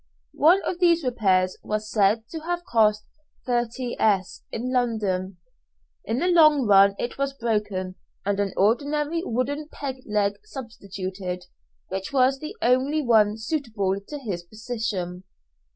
One of these repairs was said to have cost 30_s._ in London. In the long run it was broken, and an ordinary wooden peg leg substituted, which was the only one suitable to his position.